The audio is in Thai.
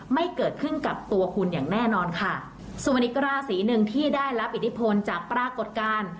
ไม่เกิดขึ้นกับตัวคุณอย่างแน่นอนค่ะส่วนอีกราศีหนึ่งที่ได้รับอิทธิพลจากปรากฏการณ์